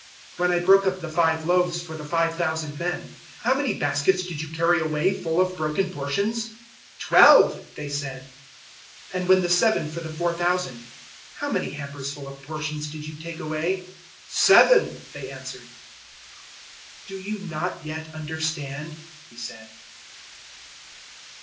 008:019 When I broke up the five loaves for the 5,000 men, how many baskets did you carry away full of broken portions?" "Twelve," they said. 008:020 "And when the seven for the 4,000, how many hampers full of portions did you take away?" "Seven," they answered. 008:021 "Do you not yet understand?" He said.